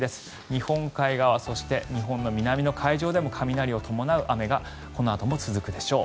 日本海側、日本の南の海上でも雷を伴う雨がこのあとも続くでしょう。